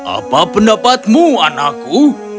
apa pendapatmu anakku